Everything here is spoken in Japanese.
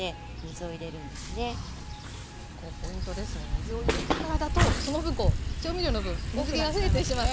水を入れてからだとその分こう調味料の分水けが増えてしまって。